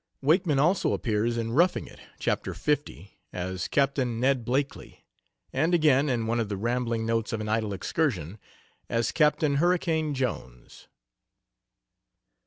Wakeman also appears in 'Roughing It,' Chap. L, as Capt. Ned Blakely, and again in one of the "Rambling Notes of an Idle Excursion," as "Captain Hurricane Jones."